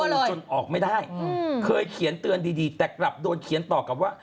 มันจนออกไม่ได้เคยเขียนเตือนดีดีแต่กลับโดนเขียนต่อกับว่า